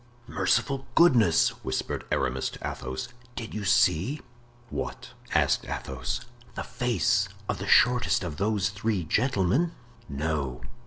"Merciful goodness!" whispered Aramis to Athos, "did you see?" "What?" asked Athos. "The face of the shortest of those three gentlemen?" "No."